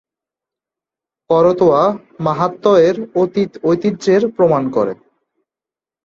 করতোয়া মাহাত্ম্য এর অতীত ঐতিহ্যের প্রমাণ করে।